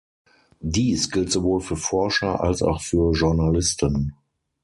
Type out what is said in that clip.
Dies gilt sowohl für Forscher als auch für Journalisten.